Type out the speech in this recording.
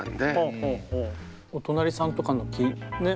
お隣さんとかのね